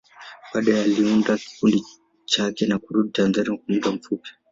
Baadaye, aliunda kikundi chake na kurudi Tanzania kwa muda mfupi.